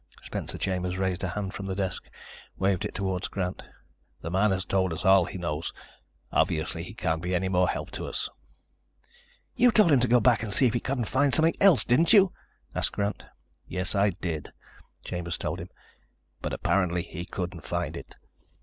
Spencer Chambers raised a hand from the desk, waved it toward Grant. "The man has told us all he knows. Obviously, he can't be any more help to us." "You told him to go back and see if he couldn't find something else, didn't you?" asked Grant. "Yes, I did," Chambers told him. "But apparently he couldn't find it."